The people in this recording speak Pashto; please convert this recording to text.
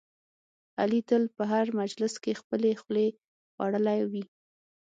علي تل په هر مجلس کې خپلې خولې خوړلی وي.